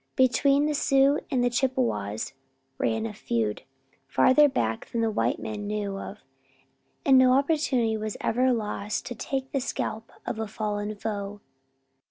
Between the Sioux and Chippewas ran a feud further back than the white man knew of and no opportunity was ever lost to take the scalp of a fallen foe.